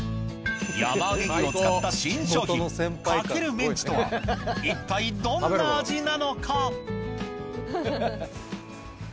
山あげ牛を使った新商品かけるメンチとは一体どんな味なのか？